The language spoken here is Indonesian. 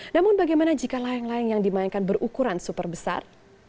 namun bagaimana jika layang layang yang dimainkan berukuran super besar